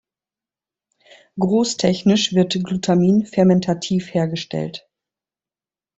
Großtechnisch wird -Glutamin fermentativ hergestellt.